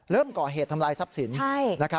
ก่อเหตุทำลายทรัพย์สิน